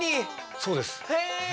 そうです。